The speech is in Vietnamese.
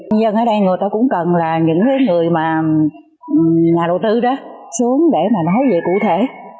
nhân dân ở đây người ta cũng cần là những người mà nhà đầu tư đó xuống để mà nói về cụ thể